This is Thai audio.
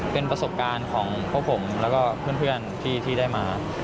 เป็นประสบการณ์ของพวกผมแล้วก็เพื่อนที่ได้มา